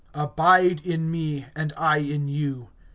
(4)Abide in me, and I in you.